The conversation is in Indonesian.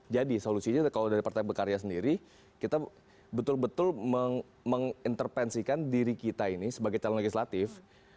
jadi solusinya kalau dari partai berkarya sendiri kita betul betul menginterpensikan diri kita ini sebagai calon legislatif